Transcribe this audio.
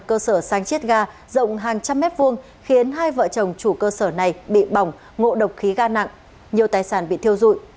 cơ sở sang chiết ga rộng hàng trăm mét vuông khiến hai vợ chồng chủ cơ sở này bị bỏng ngộ độc khí ga nặng nhiều tài sản bị thiêu dụi